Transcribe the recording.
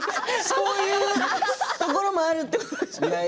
そういうところもあるってことですよね。